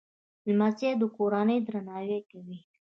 لمسی د کورنۍ درناوی کوي.